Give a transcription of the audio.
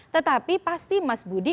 tetapi pasti mas budi